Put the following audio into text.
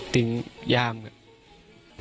จึงยามน่ะ